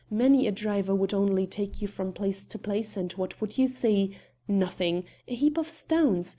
Many a driver would only take you from place to place, and what would you see? Nothing ... a heap of stones